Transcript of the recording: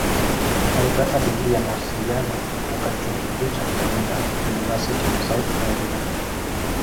Alipata digrii ya Mawasiliano kutoka Chuo Kikuu cha Florida "University of South Florida".